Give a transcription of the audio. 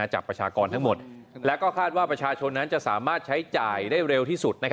ประชากรทั้งหมดและก็คาดว่าประชาชนนั้นจะสามารถใช้จ่ายได้เร็วที่สุด